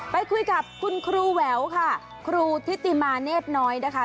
ไปคุยกับคุณครูแหววค่ะครูทิติมาเนธน้อยนะคะ